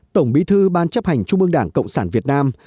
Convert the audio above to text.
tổng bí thư ban chấp hành trung ương đảng cộng sản việt nam